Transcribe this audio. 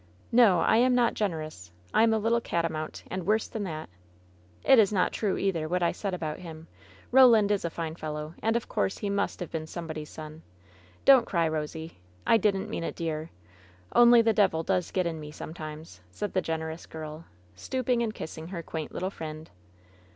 "No ! I am not generous ! I am a little catamount} and worse than that ! It is not true, either, what I said about him ! Roland is a fine fellow. And of course he must have been somebody's son ! Don't cry, Rosie. I didn't mean it, dear! Only the devil does get in me sometimes !" said the generous girl, stooping and kissing her quaint little friend.